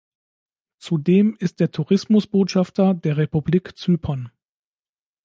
Zudem ist er Tourismus-Botschafter der Republik Zypern.